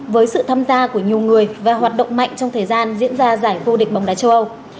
với sự tham gia của nhiều người và hoạt động mạnh trong thời gian diễn ra giải vô địch bóng đá châu âu